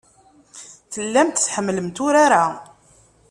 Tellamt tḥemmlemt urar-a.